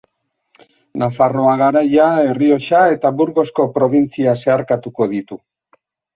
Nafarroa Garaia, Errioxa eta Burgosko probintzia zeharkatuko ditu.